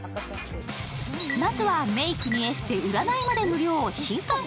まずはメークにエステ占いまで無料新感覚